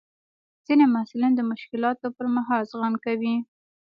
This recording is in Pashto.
ځینې محصلین د مشکلاتو پر مهال زغم کوي.